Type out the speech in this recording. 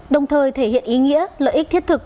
đồng thời thể hiện ý nghĩa lợi ích thiết thực